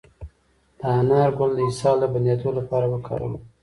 د انار ګل د اسهال د بندیدو لپاره وکاروئ